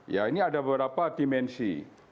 ya ini ada beberapa dimensi